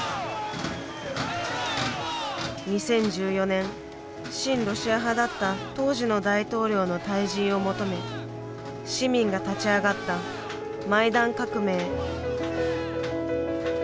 ２０１４年親ロシア派だった当時の大統領の退陣を求め市民が立ち上がったマイダン革命。